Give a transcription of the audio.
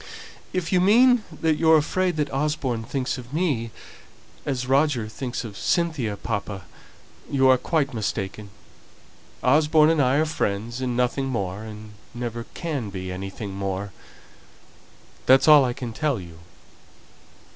"If you mean that you're afraid that Osborne thinks of me as Roger thinks of Cynthia, papa, you are quite mistaken. Osborne and I are friends and nothing more, and never can be anything more. That's all I can tell you."